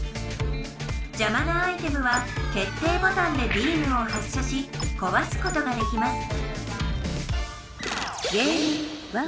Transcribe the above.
じゃまなアイテムは決定ボタンでビームを発射しこわすことができます